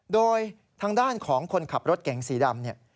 โดยทางด้านของคนขับรถเก๋งสีดำเนี่ย